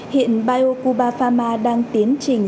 hiện biocuba pharma đang tiến trình